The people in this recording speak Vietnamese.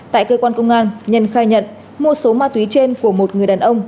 tại cơ quan công an nhân khai nhận mua số ma túy trên của một người đàn ông